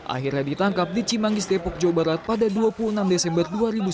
akhirnya ditangkap di cimanggis depok jawa barat pada dua puluh enam desember dua ribu sembilan belas